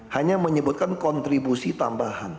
hanya menyebutkan kontribusi tambahan